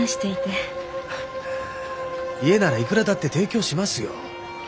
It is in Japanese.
あ家ならいくらだって提供しますよ。